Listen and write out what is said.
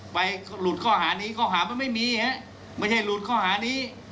ไปหลุดข้อความนี้ข้อความมันไม่มีนะครับไม่ใช่หลุดข้อความนี้